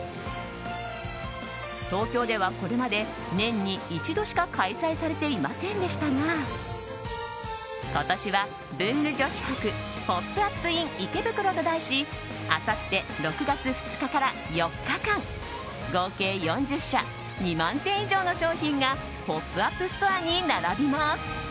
東京ではこれまで年に一度しか開催されていませんでしたが今年は文具女子博ｐｏｐ‐ｕｐｉｎ池袋と題しあさって６月２日から４日間合計４０社２万点以上の商品がポップアップストアに並びます。